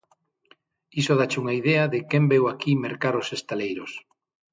Iso dáche unha idea de quen veu aquí mercar os estaleiros.